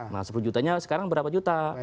nah sepuluh jutanya sekarang berapa juta